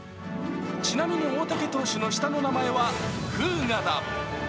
ちなみに大竹投手の下の名前は風雅だ。